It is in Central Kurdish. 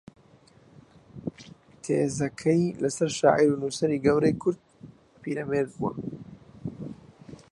تێزەکەی لەسەر شاعیر و نووسەری گەورەی کورد پیرەمێرد بووە